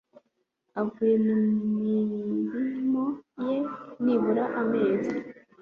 avuye mu mirimo ye nibura amezi